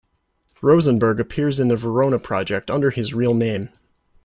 Rosenberg appears in the Venona project under his real name.